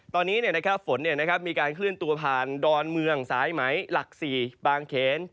ตอนนี้ฝนมีการเคลื่อนตัวผ่านดอนเมืองสายไหมหลัก๔บางเขน